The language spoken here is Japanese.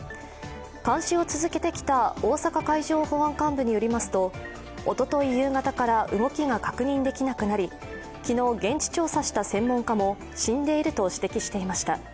監視を続けてきた大阪海上保安監部によりますとおととい夕方から動きが確認できなくなり、昨日、現地調査した専門家も死んでいると指摘していました。